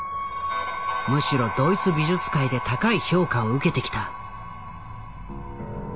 むしろドイツ美術界で高い評価を受けてきた。